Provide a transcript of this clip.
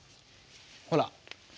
ほら。